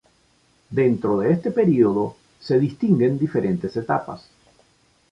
Dentro de este periodo, se distinguen diferentes etapas.